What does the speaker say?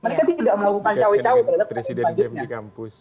mereka tidak melakukan cawe cawe terhadap presiden jam di kampus